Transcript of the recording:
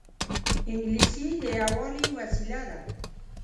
انګلیسي د یووالي وسیله ده